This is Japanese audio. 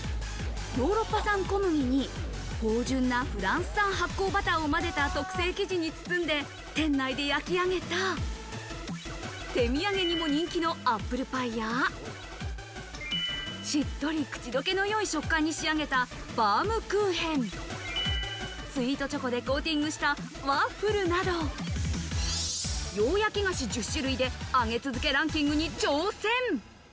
ヨーロッパ産小麦に芳醇なフランス産発酵バターを混ぜた特製生地に包んで、店内で焼き上げた、手土産にも人気のアップルパイや、しっとり口どけの良い食感に仕上げたバームクーヘン、スイートチョコでコーティングしたワッフルなど、洋焼菓子１０種類で上げ続けランキングに挑戦。